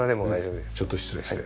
ちょっと失礼して。